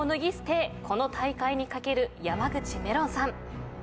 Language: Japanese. この大会に懸ける山口めろんさん。